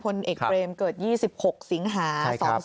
ผลเอกเบรมเกิด๒๖สิงหา๒๔